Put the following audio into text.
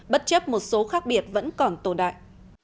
bất chấp một số khác biệt vẫn còn tồn đại